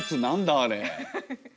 あれ。